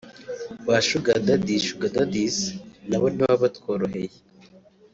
ba shugadadi (Sugar daddies) nabo ntibaba batworoheye